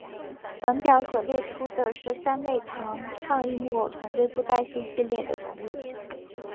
本表所列出的是三昧堂创意木偶团队布袋戏系列的人物。